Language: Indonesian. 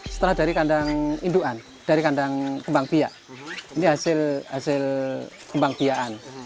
setelah dari kandang induan dari kandang kembang bia ini hasil kembang biaan